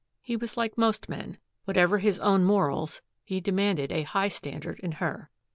He was like most men. Whatever his own morals, he demanded a high standard in her.